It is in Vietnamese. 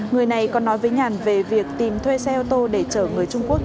người này còn nói với nhàn về việc tìm thuê xe ô tô để chở người trung quốc